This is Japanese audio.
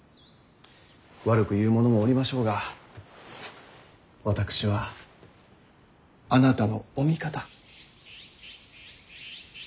悪く言う者もおりましょうが私はあなたのお味方。